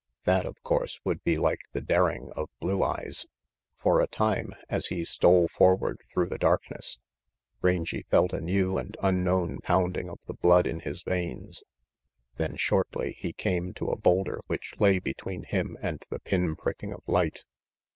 That, of course, would be like the daring of Blue Eyes. For a time, as he stole forward through the dark ness, Rangy felt a new and unknown pounding of the blood in his veins. Then shortly he came to a boulder which lay between him and the pin pricking of light.